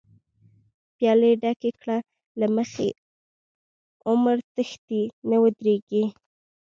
پيالی ډکې کړه له مخی، عمر تښتی نه ودريږی